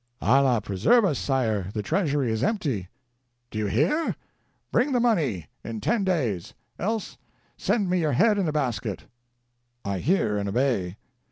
"Allah preserve us, Sire! the treasury is empty." "Do you hear? Bring the money — in ten days. Else, send me your head in a basket." "I hear and obey."